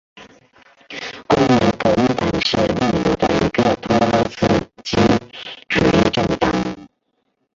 工人革命党是秘鲁的一个托洛茨基主义政党。